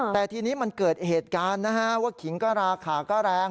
แต่ทีนี้มันเกิดเหตุการณ์นะฮะว่าขิงก็ราคาก็แรง